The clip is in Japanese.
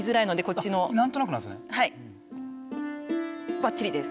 ばっちりです。